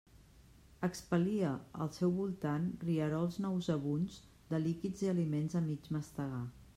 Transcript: Expel·lia al seu voltant rierols nauseabunds de líquids i aliments a mig mastegar.